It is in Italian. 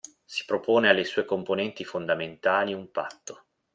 Si propone alle sue componenti fondamentali un patto.